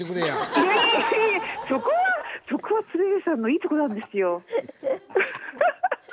はい！